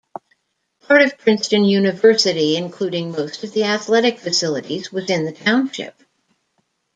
Part of Princeton University, including most of the athletic facilities, was in the township.